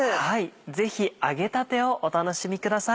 ぜひ揚げたてをお楽しみください。